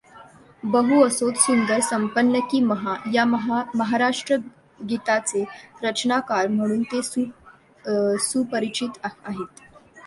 बहु असोत सुंदर, संपन्न की महा या महाराष्ट्रगीताचे रचनाकार म्हणून ते सुपरिचित आहेत.